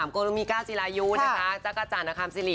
โกลูมิก้าจิลายุจักรจันทร์นาคามซิริ